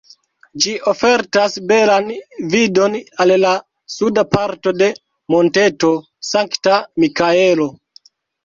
Ĝi ofertas belan vidon al la suda parto de Monteto Sankta-Mikaelo.